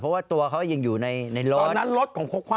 เพราะว่าตัวเขายังอยู่ในรถ